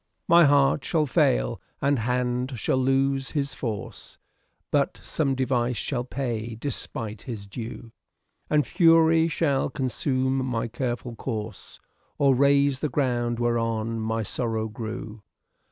My heart shall fail and hand shall lose his force, But some device shall pay Despite his due ; And fury shall consume my careful corse, Or raze the ground whereon my sorrow grew.